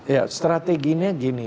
ya strateginya gini